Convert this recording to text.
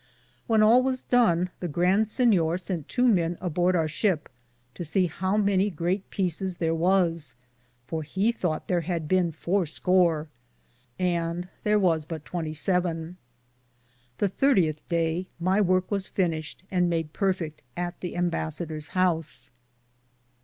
When all was done the Grande Sinyore sent tow men abord our shippe to se how many greate peecis thare was, for he thoughte there hade bene four score, and there was but 27. The 30th daye my worke was finished, and made perfitt at the imbassaderes house.